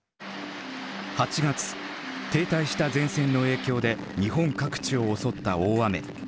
８月停滞した前線の影響で日本各地を襲った大雨。